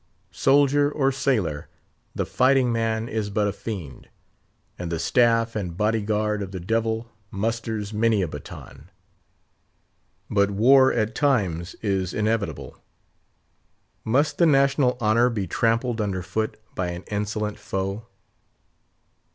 Soldier or sailor, the fighting man is but a fiend; and the staff and body guard of the Devil musters many a baton. But war at times is inevitable. Must the national honour be trampled under foot by an insolent foe?